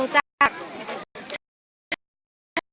มีแต่โดนล้าลาน